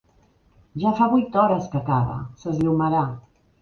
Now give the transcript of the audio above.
Ja fa vuit hores que cava: s'esllomarà.